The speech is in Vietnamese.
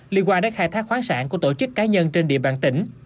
liên quan đến khai thác khoáng sản của tổ chức cá nhân trên địa bàn tỉnh